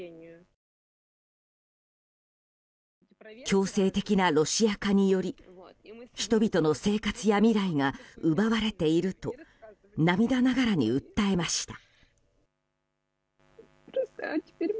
強制的なロシア化により人々の生活や未来が奪われていると涙ながらに訴えました。